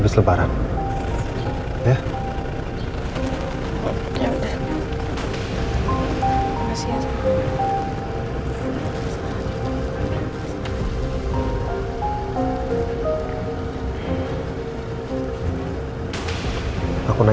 perlu ke rumah sakit gak